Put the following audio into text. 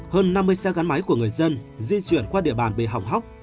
hơn năm mươi xe gắn máy của người dân di chuyển qua địa bàn bị hỏng hóc